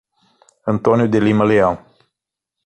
Antônio de Lima Leao